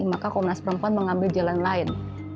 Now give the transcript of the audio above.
maka komnas perempuan mengambil jalan lain